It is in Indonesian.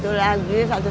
tidak ada yang tahu